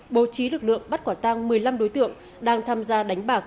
bố trí lực lượng bắt quả tăng một mươi năm đối tượng đang tham gia đánh bạc